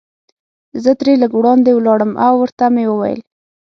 زه ترې لږ وړاندې ولاړم او ورته مې وویل.